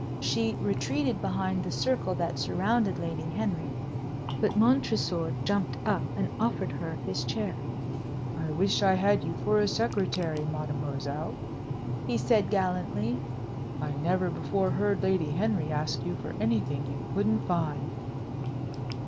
She retreated behind the circle that surrounded Lady Henry. But Montresor jumped up and offered her his chair. "I wish I had you for a secretary, mademoiselle," he said, gallantly. "I never before heard Lady Henry ask you for anything you couldn't find."